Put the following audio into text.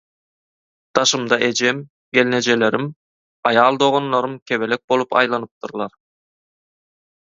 Daşymda ejem, gelnejelerim, aýal doganlarym kebelek bolup aýlanypdyrlar.